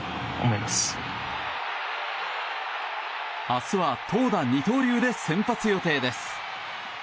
明日は投打二刀流で先発予定です。